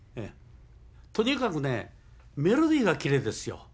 とにかくねメロディーがきれいですよ。